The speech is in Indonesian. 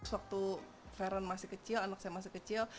waktu veron masih kecil anak saya masih kecil